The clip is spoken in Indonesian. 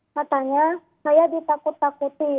katanya saya ditakut takuti